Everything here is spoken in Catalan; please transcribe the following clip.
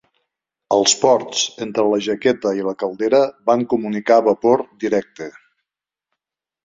Els ports entre la jaqueta i la caldera van comunicar vapor directe.